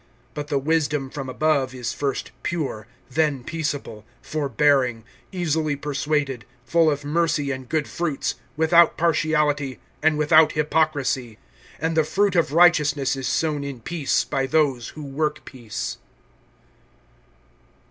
(17)But the wisdom from above is first pure, then peaceable, forbearing, easily persuaded, full of mercy and good fruits, without partiality, and without hypocrisy. (18)And the fruit of righteousness is sown in peace, by those who work peace.